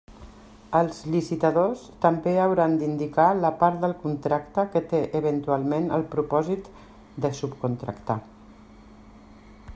Els licitadors també hauran d'indicar la part del contracte que té eventualment el propòsit de subcontractar.